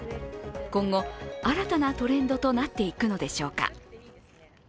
今後、新たなトレンドとなっていくのでしょうか。